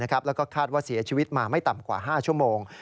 แล้วก็คาดว่าเสียชีวิตมาไม่ต่ำกว่า๕ชั่วโมง